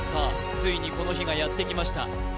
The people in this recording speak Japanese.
ついにこの日がやってきました